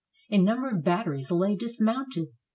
A number of batteries lay dismounted.